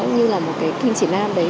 như là một cái kinh chỉ nam đấy